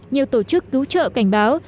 nhiều tổ chức cứu trợ cảnh báo